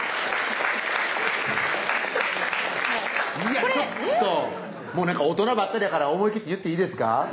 いやっちょっと大人ばっかりやから思い切って言っていいですか？